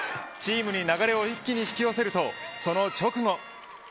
チームに流れを一気に引きよせるとその直後。